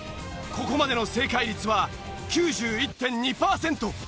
ここまでの正解率は９１．２パーセント。